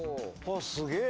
すげえ。